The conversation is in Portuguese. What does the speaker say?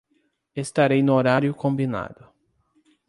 Estarei no horário combinado